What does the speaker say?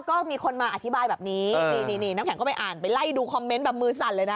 ก็มีคนมาอธิบายแบบนี้นี่น้ำแข็งก็ไปอ่านไปไล่ดูคอมเมนต์แบบมือสั่นเลยนะ